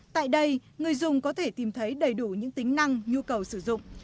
tại đây người dùng có thể tìm thấy đầy đủ những tính năng nhu cầu sử dụng